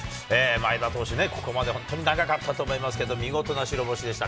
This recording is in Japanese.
前田投手ね、ここまで本当に長かったと思いますけど、見事な白星でした。